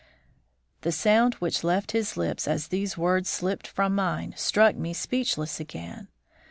The sound which left his lips as these words slipped from mine struck me speechless again.